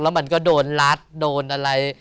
แล้วมันก็โดนรัดโดนอะไร